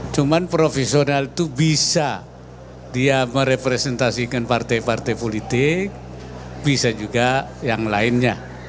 cuma profesional itu bisa dia merepresentasikan partai partai politik bisa juga yang lainnya